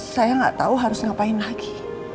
saya nggak tahu harus ngapain lagi